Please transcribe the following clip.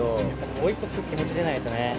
追い越す気持ちじゃないとね。